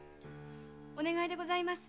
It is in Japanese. ・お願いでございます。